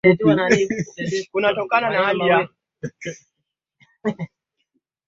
Arobaini na nne hadi elfu moja mia tisa kumi na moja